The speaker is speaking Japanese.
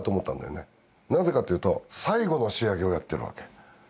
なぜかというと最後の仕上げをやってるわけ。